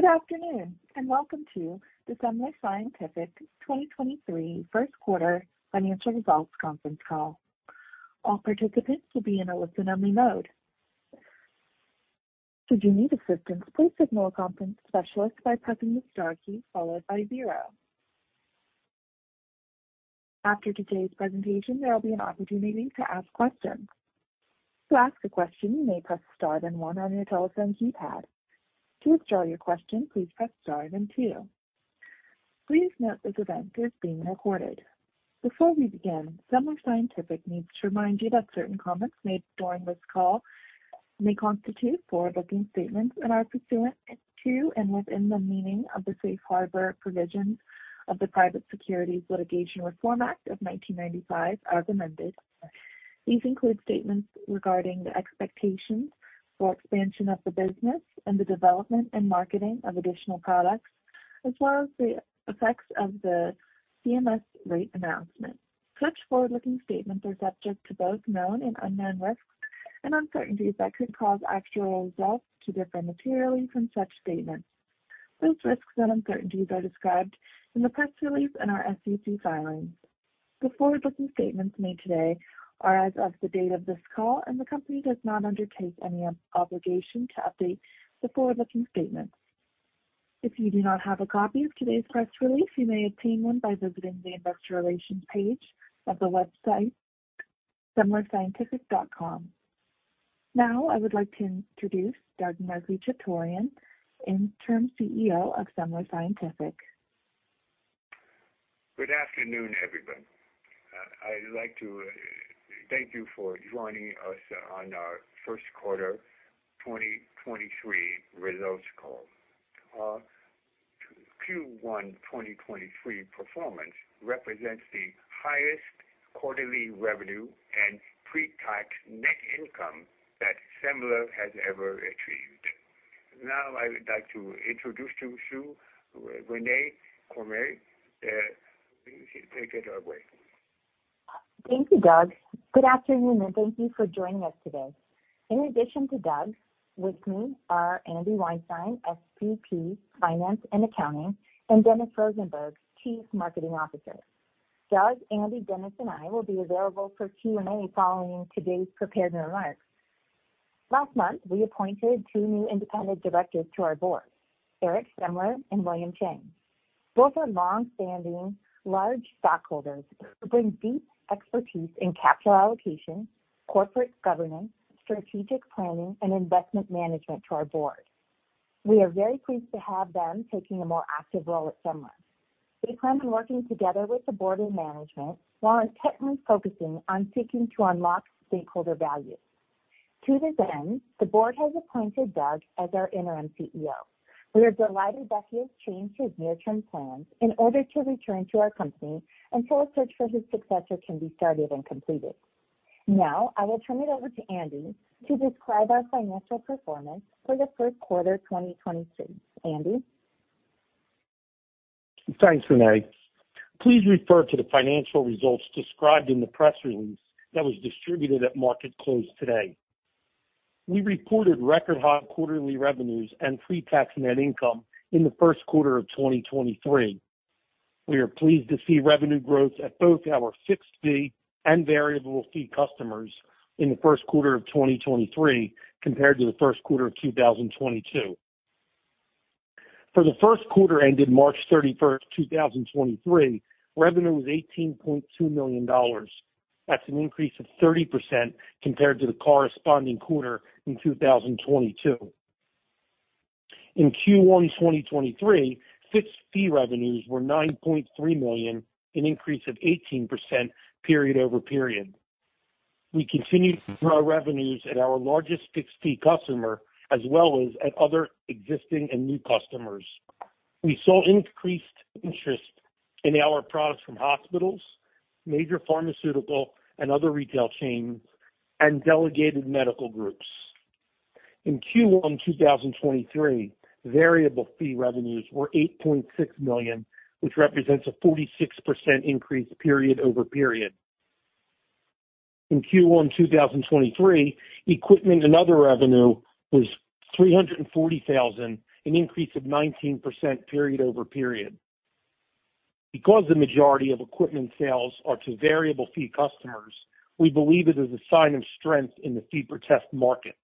Good afternoon, welcome to the Semler Scientific 2023 first quarter financial results conference call. All participants will be in a listen-only mode. Should you need assistance, please signal a conference specialist by pressing the star key followed by zero. After today's presentation, there will be an opportunity to ask questions. To ask a question, you may press Star then one on your telephone keypad. To withdraw your question, please press star then two. Please note this event is being recorded. Before we begin, Semler Scientific needs to remind you that certain comments made during this call may constitute forward-looking statements and are pursuant to and within the meaning of the Safe Harbor Provisions of the Private Securities Litigation Reform Act of 1995, as amended. These include statements regarding the expectations for expansion of the business and the development and marketing of additional products, as well as the effects of the CMS rate announcement. Such forward-looking statements are subject to both known and unknown risks and uncertainties that could cause actual results to differ materially from such statements. Those risks and uncertainties are described in the press release and our SEC filings. The forward-looking statements made today are as of the date of this call, and the company does not undertake any obligation to update the forward-looking statements. If you do not have a copy of today's press release, you may obtain one by visiting the investor relations page of the website semlerscientific.com. Now, I would like to introduce Douglas Murphy-Chutorian, Interim CEO of Semler Scientific. Good afternoon, everyone. I'd like to thank you for joining us on our first quarter 2023 results call. Our Q1 2023 performance represents the highest quarterly revenue and pre-tax net income that Semler has ever achieved. Now I would like to introduce to you, Renae Cormier. Take it away. Thank you, Douglas. Good afternoon, and thank you for joining us today. In addition to Douglas, with me are Andrew Weinstein, SVP, Finance and Accounting, and Dennis Rosenberg, Chief Marketing Officer. Douglas, Andrew, Dennis, and I will be available for Q&A following today's prepared remarks. Last month, we appointed two new Independent Directors to our board, Eric Semler and William Chang. Both are longstanding large stockholders who bring deep expertise in capital allocation, corporate governance, strategic planning, and investment management to our board. We are very pleased to have them taking a more active role at Semler. They plan on working together with the board and management while intently focusing on seeking to unlock stakeholder value. To this end, the board has appointed Doug as our interim CEO. We are delighted that he has changed his near-term plans in order to return to our company a search for his successor can be started and completed. Now, I will turn it over to Andrew to describe our financial performance for the first quarter 2023. Andrew. Thanks, Renae. Please refer to the financial results described in the press release that was distributed at market close today. We reported record high quarterly revenues and pre-tax net income in the first quarter of 2023. We are pleased to see revenue growth at both our fixed-fee and variable fee customers in the first quarter of 2023 compared to the first quarter of 2022. For the first quarter ended March 31st, 2023, revenue was $18.2 million. That's an increase of 30% compared to the corresponding quarter in 2022. In Q1 2023, fixed fee revenues were $9.3 million, an increase of 18% period over period. We continued to grow our revenues at our largest fixed-fee customer as well as at other existing and new customers. We saw increased interest in our products from hospitals, major pharmaceutical and other retail chains, and delegated medical groups. In Q1 2023, variable fee revenues were $8.6 million, which represents a 46% increase period-over-period. In Q1 2023, equipment and other revenue was $340,000, an increase of 19% period-over-period. The majority of equipment sales are to variable fee customers, we believe it is a sign of strength in the fee per test market.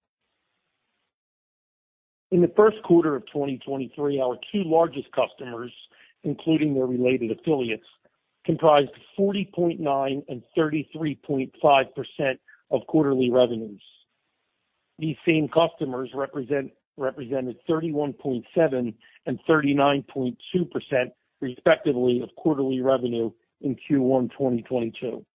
In the first quarter of 2023, our two largest customers, including their related affiliates, comprised 40.9% and 33.5% of quarterly revenues. These same customers represented 31.7% and 39.2%, respectively, of quarterly revenue in Q1 2022.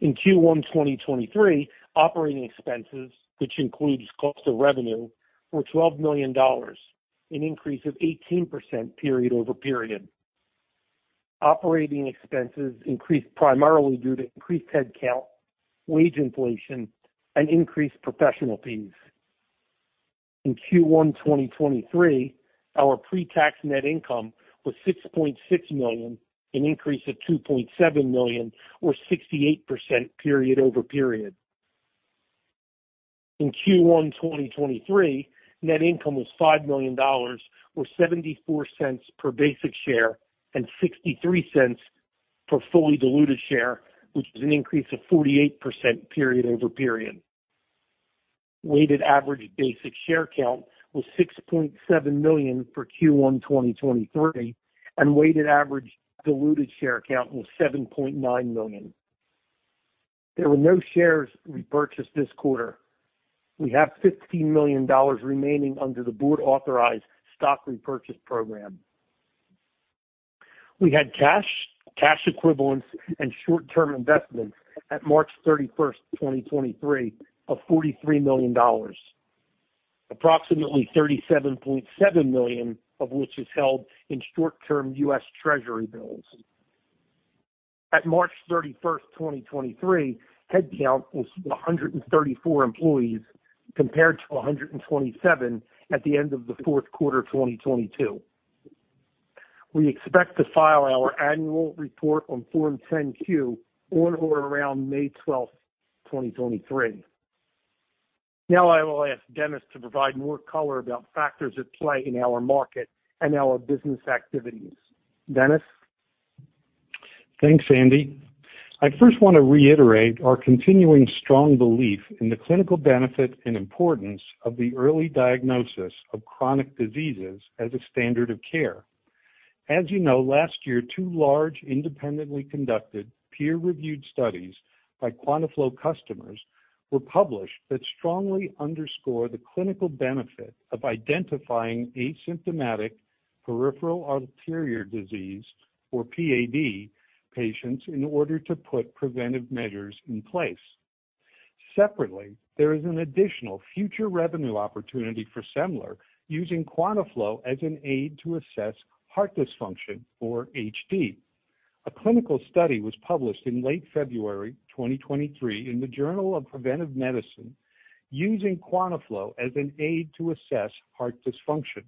In Q1 2023, operating expenses, which includes cost of revenue, were $12 million, an increase of 18% period-over-period. Operating expenses increased primarily due to increased headcount, wage inflation, and increased professional fees. In Q1 2023, our pretax net income was $6.6 million, an increase of $2.7 million, or 68% period-over-period. In Q1 2023, net income was $5 million, or $0.74 per basic share and $0.63 per fully diluted share, which is an increase of 48% period-over-period. Weighted average basic share count was 6.7 million for Q1 2023, and weighted average diluted share count was 7.9 million. There were no shares repurchased this quarter. We have $15 million remaining under the board authorized stock repurchase program. We had cash equivalents, and short-term investments at March 31st, 2023, of $43 million, approximately $37.7 million of which is held in short-term US Treasury Bills. At March 31st, 2023, headcount was 134 employees, compared to 127 at the end of the fourth quarter 2022. We expect to file our annual report on Form 10-Q on or around May 12th, 2023. I will ask Dennis to provide more color about factors at play in our market and our business activities. Dennis? Thanks, Andrew. I first want to reiterate our continuing strong belief in the clinical benefit and importance of the early diagnosis of chronic diseases as a standard of care. As you know, last year, two large, independently conducted peer-reviewed studies by QuantaFlo customers were published that strongly underscore the clinical benefit of identifying asymptomatic peripheral arterial disease, or PAD, patients in order to put preventive measures in place. Separately, there is an additional future revenue opportunity for Semler using QuantaFlo as an aid to assess heart dysfunction, or HD. A clinical study was published in late February 2023 in the Journal of Preventive Medicine using QuantaFlo as an aid to assess heart dysfunction.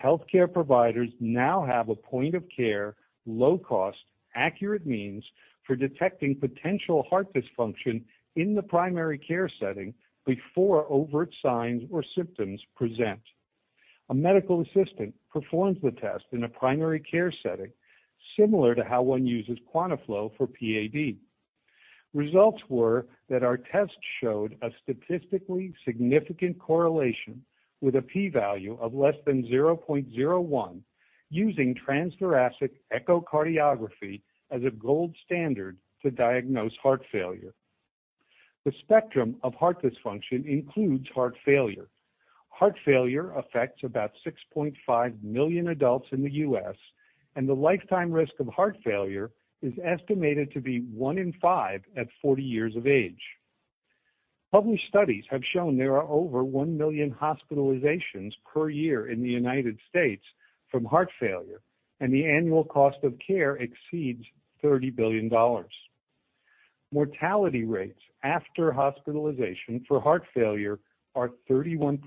Healthcare providers now have a point-of-care, low cost, accurate means for detecting potential heart dysfunction in the primary care setting before overt signs or symptoms present. A medical assistant performs the test in a primary care setting, similar to how one uses QuantaFlo for PAD. Results were that our tests showed a statistically significant correlation with a P value of less than 0.01 using transthoracic echocardiography as a gold standard to diagnose heart failure. The spectrum of heart dysfunction includes heart failure. Heart failure affects about 6.5 million adults in the U.S., and the lifetime risk of heart failure is estimated to be one in five at 40 years of age. Published studies have shown there are over one million hospitalizations per year in the United States from heart failure, and the annual cost of care exceeds $30 billion. Mortality rates after hospitalization for heart failure are 31%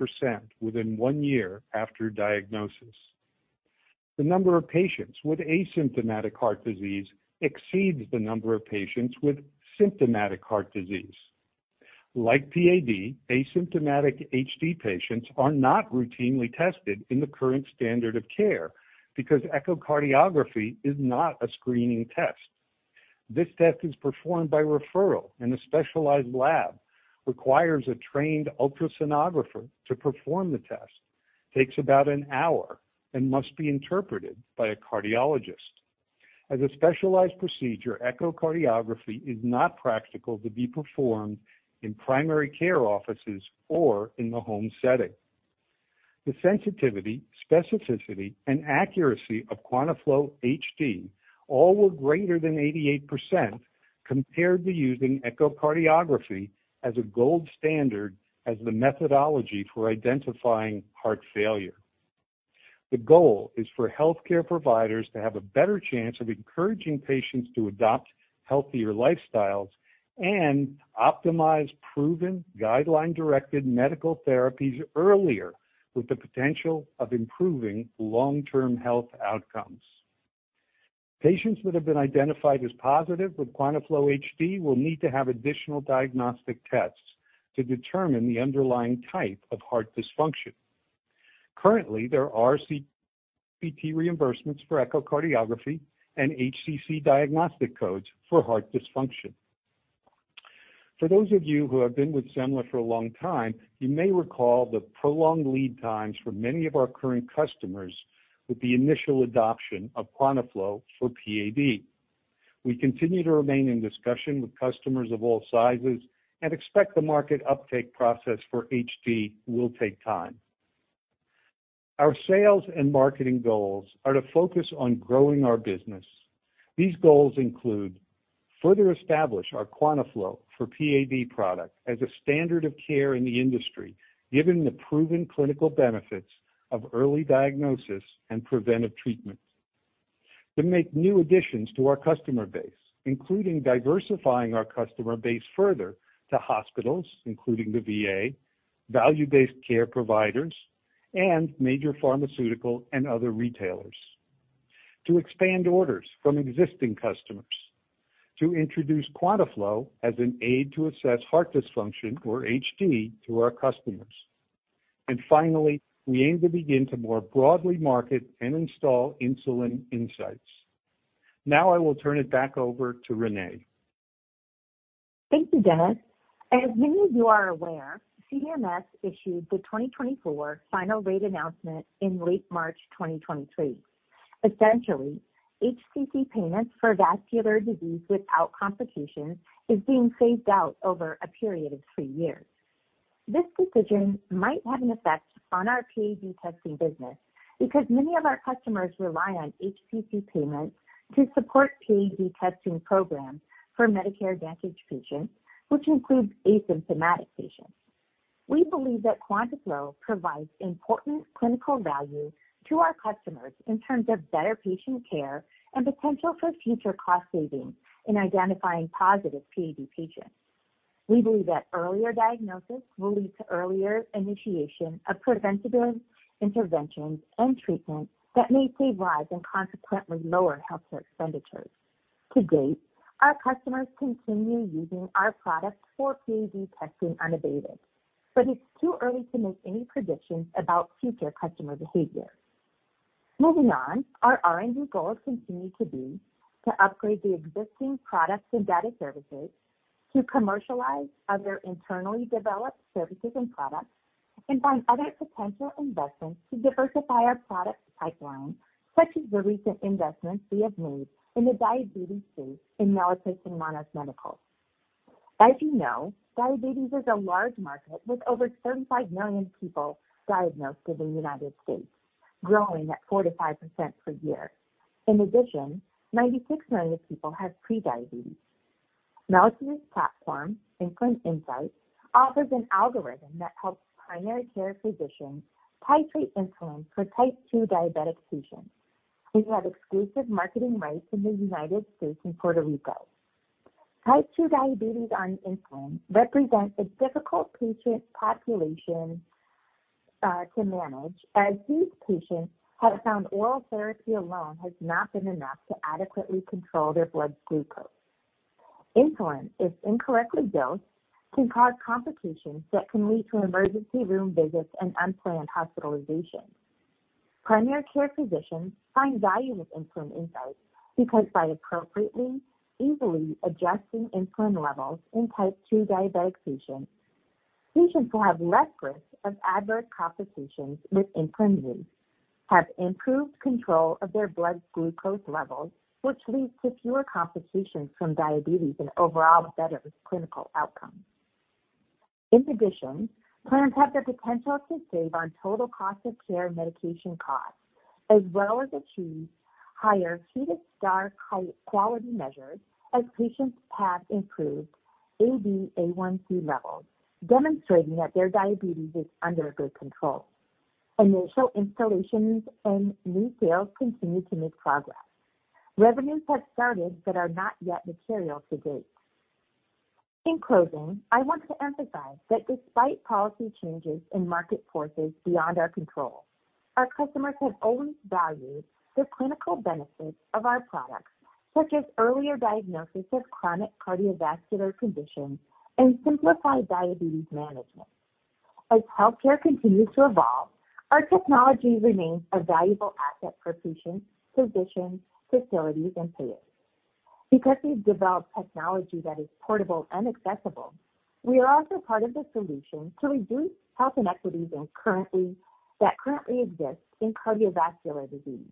within one year after diagnosis. The number of patients with asymptomatic heart disease exceeds the number of patients with symptomatic heart disease. Like PAD, asymptomatic HD patients are not routinely tested in the current standard of care because echocardiography is not a screening test. This test is performed by referral in a specialized lab, requires a trained ultrasonographer to perform the test, takes about an hour, and must be interpreted by a cardiologist. As a specialized procedure, echocardiography is not practical to be performed in primary care offices or in the home setting. The sensitivity, specificity, and accuracy of QuantaFlo HD all were greater than 88% compared to using echocardiography as a gold standard as the methodology for identifying heart failure. The goal is for healthcare providers to have a better chance of encouraging patients to adopt healthier lifestyles and optimize proven guideline-directed medical therapies earlier, with the potential of improving long-term health outcomes. Patients that have been identified as positive with QuantaFlo HD will need to have additional diagnostic tests to determine the underlying type of heart dysfunction. Currently, there are CPT reimbursements for echocardiography and HCC diagnostic codes for heart dysfunction. For those of you who have been with Semler for a long time, you may recall the prolonged lead times for many of our current customers with the initial adoption of QuantaFlo for PAD. We continue to remain in discussion with customers of all sizes and expect the market uptake process for HD will take time. Our sales and marketing goals are to focus on growing our business. These goals include further establish our QuantaFlo for PAD product as a standard of care in the industry, given the proven clinical benefits of early diagnosis and preventive treatment. To make new additions to our customer base, including diversifying our customer base further to hospitals, including the VA, value-based care providers, and major pharmaceutical and other retailers. To expand orders from existing customers. To introduce QuantaFlo as an aid to assess heart dysfunction or HD to our customers. Finally, we aim to begin to more broadly market and install Insulin Insights. Now I will turn it back over to Renae. Thank you, Dennis. As many of you are aware, CMS issued the 2024 final rate announcement in late March 2023. Essentially, HCC payments for vascular disease without complications is being phased out over a period of three years. This decision might have an effect on our PAD testing business because many of our customers rely on HCC payments to support PAD testing programs for Medicare Advantage patients, which includes asymptomatic patients. We believe that QuantaFlo provides important clinical value to our customers in terms of better patient care and potential for future cost savings in identifying positive PAD patients. We believe that earlier diagnosis will lead to earlier initiation of preventative interventions and treatments that may save lives and consequently lower healthcare expenditures. To date, our customers continue using our product for PAD testing unabated, but it's too early to make any predictions about future customer behavior. Moving on, our R&D goals continue to be to upgrade the existing products and data services, to commercialize other internally developed services and products, and find other potential investments to diversify our product pipeline, such as the recent investments we have made in the diabetes space in Melapix and Monus Medical. As you know, diabetes is a large market with over 35 million people diagnosed in the United States, growing at 4%-5% per year. In addition, 96 million people have pre-diabetes. Melapix's platform, Insulin Insights, offers an algorithm that helps primary care physicians titrate insulin for Type 2 diabetic patients. We have exclusive marketing rights in the United States and Puerto Rico. Type 2 diabetes on insulin represents a difficult patient population to manage, as these patients have found oral therapy alone has not been enough to adequately control their blood glucose. Insulin, if incorrectly dosed, can cause complications that can lead to emergency room visits and unplanned hospitalizations. Primary care physicians find value with Insulin Insights because by appropriately, easily adjusting insulin levels in Type 2 diabetic patients will have less risk of adverse complications with insulin use, have improved control of their blood glucose levels, which leads to fewer complications from diabetes and overall better clinical outcomes. In addition, plans have the potential to save on total cost of care and medication costs, as well as achieve higher HEDIS star quality measures as patients have improved HbA1c levels, demonstrating that their diabetes is under good control. Initial installations and new sales continue to make progress. Revenues have started but are not yet material to date. In closing, I want to emphasize that despite policy changes and market forces beyond our control, our customers have always valued the clinical benefits of our products, such as earlier diagnosis of chronic cardiovascular conditions and simplified diabetes management. As healthcare continues to evolve, our technology remains a valuable asset for patients, physicians, facilities, and payers. Because we've developed technology that is portable and accessible, we are also part of the solution to reduce health inequities that currently exist in cardiovascular disease.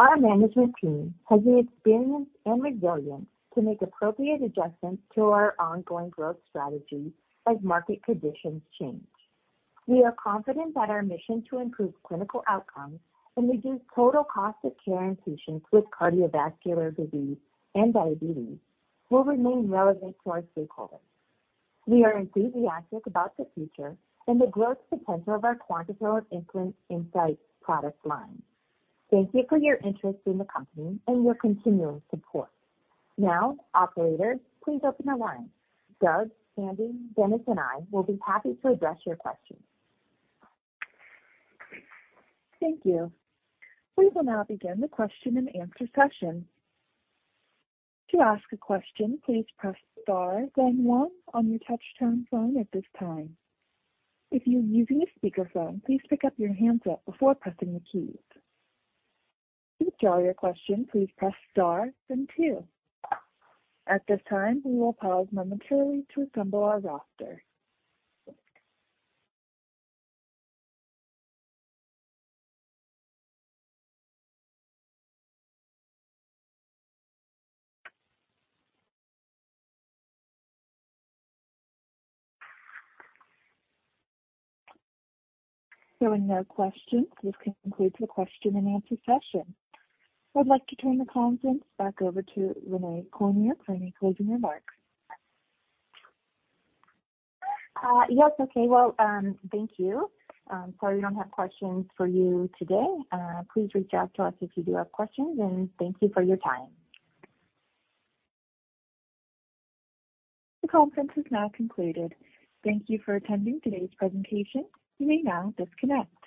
Our management team has the experience and resilience to make appropriate adjustments to our ongoing growth strategy as market conditions change. We are confident that our mission to improve clinical outcomes and reduce total cost of care in patients with cardiovascular disease and diabetes will remain relevant to our stakeholders. We are enthusiastic about the future and the growth potential of our QuantaFlo and Insulin Insights product lines. Thank you for your interest in the company and your continuing support. Operator, please open the line. Douglas, Andrew, Dennis, and I will be happy to address your questions. Thank you. We will now begin the question and answer session. To ask a question, please press star then one on your touchtone phone at this time. If you are using a speakerphone, please pick up your handset before pressing the keys. To withdraw your question, please press star then two. At this time, we will pause momentarily to assemble our roster. With no questions, this concludes the question and answer session. I would like to turn the conference back over to Renae Cormier for any closing remarks. Yes, okay. Well, thank you. Sorry we don't have questions for you today. Please reach out to us if you do have questions. Thank you for your time. The conference is now concluded. Thank you for attending today's presentation. You may now disconnect.